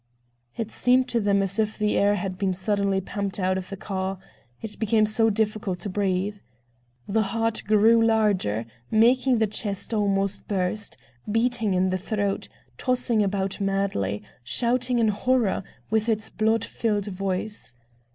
It seemed to them as if all the air had been suddenly pumped out of the car, it became so difficult to breathe. The heart grew larger, making the chest almost burst, beating in the throat, tossing about madly—shouting in horror with its blood filled voice.